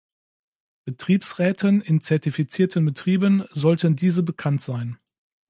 Betriebsräten in zertifizierten Betrieben sollten diese bekannt sein.